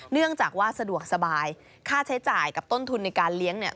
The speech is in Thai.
เนื่องจากว่าสะดวกสบายค่าใช้จ่ายกับต้นทุนในการเลี้ยงเนี่ย